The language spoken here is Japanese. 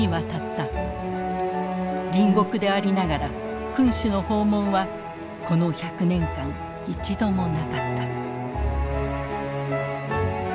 隣国でありながら君主の訪問はこの１００年間一度もなかった。